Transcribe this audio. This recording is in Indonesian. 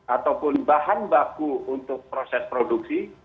ataupun bahan baku untuk proses produksi